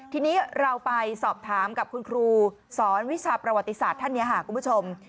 ทีนี้เราไปสอบถามกับคุณครูสอนวิชาประวัติศาสตร์ท่านนี้ค่ะคุณผู้ชม